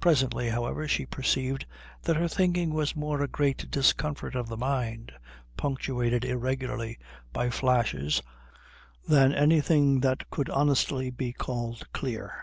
Presently, however, she perceived that her thinking was more a general discomfort of the mind punctuated irregularly by flashes than anything that could honestly be called clear.